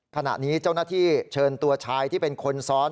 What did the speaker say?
ขณะนี้เจ้าหน้าที่เชิญตัวชายที่เป็นคนซ้อน